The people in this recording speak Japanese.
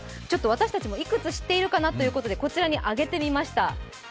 私たちも、いくつ知っているかなということで、こちらに挙げてみました。